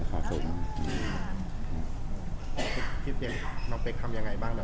พี่เปรียมน้องเต็กทำยังไงบ้าง